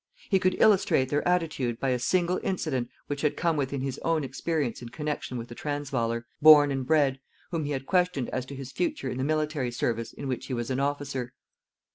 He could illustrate their attitude by a single incident which had come within his own experience in connection with a Transvaaler, born and bred, whom he had questioned as to his future in the military service in which he was an officer.